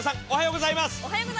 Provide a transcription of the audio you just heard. おはようございます！